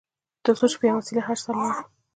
تر څو چې په یوه وسیله حج ته ولاړ.